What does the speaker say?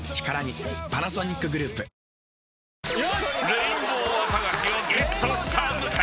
［レインボー綿菓子をゲットした向井］